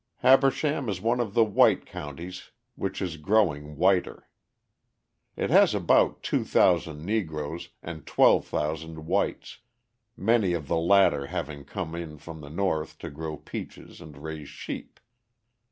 Habersham is one of the "white counties" which is growing whiter. It has about 2,000 Negroes and 12,000 whites many of the latter having come in from the North to grow peaches and raise sheep.